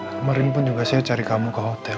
kemarin pun juga saya cari kamu ke hotel